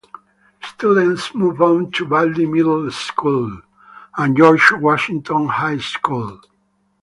Students move on to Baldi Middle School, and George Washington High School.